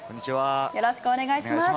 よろしくお願いします。